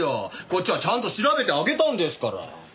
こっちはちゃんと調べてあげたんですから。